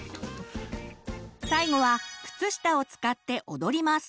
最後は靴下を使って踊ります！